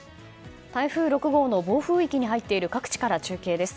台風６号の暴風域に入っている各地から中継です。